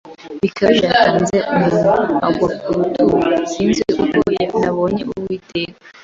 bihagije, yatanze umunwa agwa ku rutugu. Sinzi uko nabonye Uwiteka